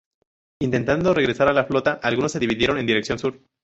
Intentando regresar a la flota, algunos se dividieron en dirección sur.